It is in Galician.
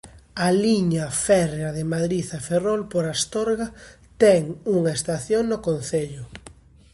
A liña férrea de Madrid a Ferrol por Astorga ten unha estación no concello.